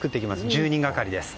１０人がかりです。